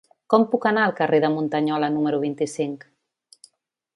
Com puc anar al carrer de Muntanyola número vint-i-cinc?